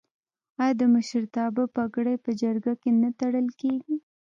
آیا د مشرتابه پګړۍ په جرګه کې نه تړل کیږي؟